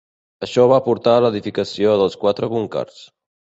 Això va portar a l'edificació dels quatre búnquers.